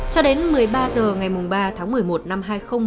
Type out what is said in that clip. cho đến một mươi ba h ngày ba tháng một mươi một năm hai nghìn một mươi bảy